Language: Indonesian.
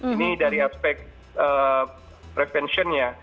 ini dari aspek preventionnya